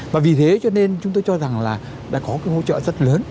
và vì thế cho nên chúng tôi cho rằng là đã có cái hỗ trợ rất lớn